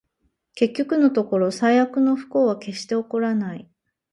結局のところ、最悪の不幸は決して起こらない